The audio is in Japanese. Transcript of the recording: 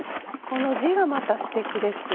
この字がまたすてきです。